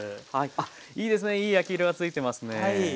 あいいですねいい焼き色がついてますね。